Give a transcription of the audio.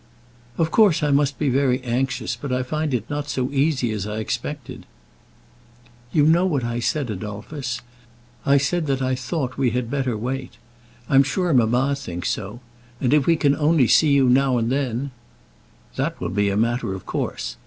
"Of course I must be very anxious, but I find it not so easy as I expected." "You know what I said, Adolphus. I said that I thought we had better wait. I'm sure mamma thinks so. And if we can only see you now and then " "That will be a matter of course.